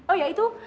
oh ya itu